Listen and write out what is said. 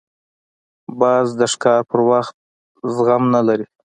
باز د ښکار پر وخت زغم نه لري